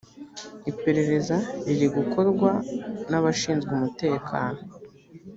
iperereza ririgukorwa nabashinzwe umutekano .